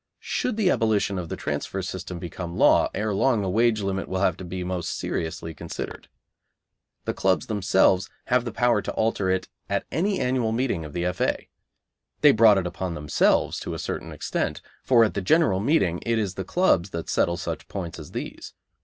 Should the abolition of the transfer system become law, ere long the wage limit will have to be most seriously considered. The clubs themselves have the power to alter it at any annual meeting of the F.A. They brought it upon themselves to a certain extent, for at the general meeting it is the clubs that settle such points as these.